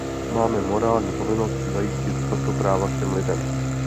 Máme morální povinnost zajistit tato práva všem lidem.